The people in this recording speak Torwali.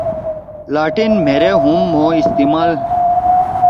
لاٹین مھیرے ہُم مھو استعال